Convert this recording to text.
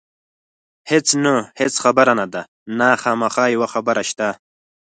هېڅ نه، هېڅ خبره نه ده، نه، خامخا یوه خبره شته.